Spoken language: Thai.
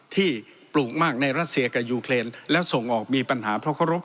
ปลูกมากในรัสเซียกับยูเครนและส่งออกมีปัญหาเพราะเคารพ